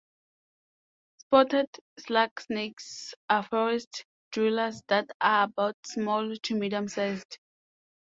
Spotted slug snakes are forest-dwellers that are about small to medium-sized.